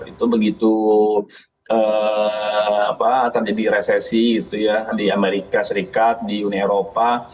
itu begitu terjadi resesi gitu ya di amerika serikat di uni eropa